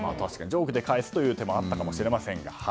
ジョークで返すという手もあったかもしれませんが。